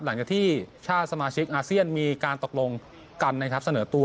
หลังจากที่ชาติสมาชิกอาเซียนมีการตกลงกันนะครับเสนอตัว